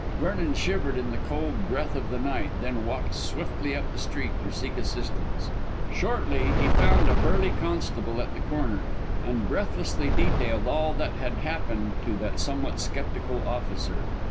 Vernon shivered in the cold breath of the night, then walked swiftly up the street to seek assistance. Shortly he found a burly constable at the corner, and breathlessly detailed all that had happened to that somewhat sceptical officer.